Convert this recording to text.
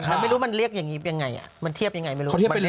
แล้วไม่รู้มันเรียกแบบยังไงมันเทียบยังไงไม่รู้